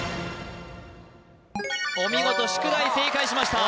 お見事宿題正解しました